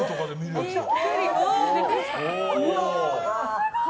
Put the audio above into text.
すごい！